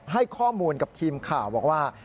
ให้ข้อมูลกับทีมข่าวบอกว่า